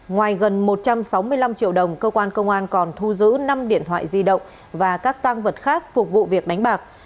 ngoài gần một trăm sáu mươi năm triệu đồng cơ quan công an còn thu giữ năm điện thoại di động và các tăng vật khác phục vụ việc đánh bạc